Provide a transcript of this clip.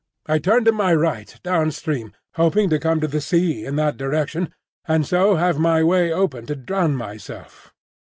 I turned to my right, down stream, hoping to come to the sea in that direction, and so have my way open to drown myself.